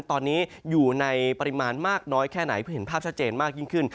ตอนนี้อยู่ในปริมาณมากน้อยแค่ไหนเพื่อเห็นภาพชัดเจนมากยิ่งขึ้น